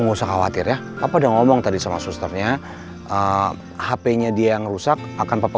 nggak usah khawatir ya apa udah ngomong tadi sama susternya hp nya dia yang rusak akan papa